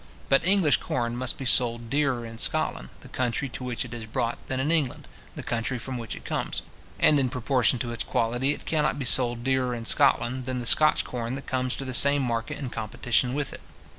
But English corn must be sold dearer in Scotland, the country to which it is brought, than in England, the country from which it comes; and in proportion to its quality it cannot be sold dearer in Scotland than the Scotch corn that comes to the same market in competition with it.